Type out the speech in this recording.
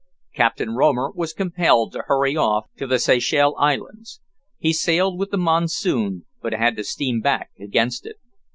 Captain Romer was compelled to hurry off to the Seychelles Islands. He sailed with the monsoon, but had to steam back against it.